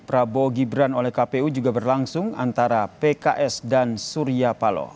prabowo gibran oleh kpu juga berlangsung antara pks dan surya paloh